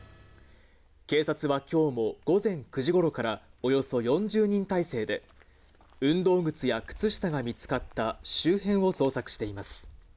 警察はきょうも午前９時ごろから、およそ４０人態勢で、運動靴や靴下が見つかった周辺を捜索しています。